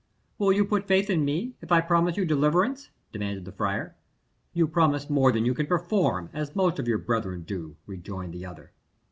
"Will you put faith in me, if I promise you deliverance?" demanded the friar. "You promise more than you can perform, as most of your brethren do," rejoined the other.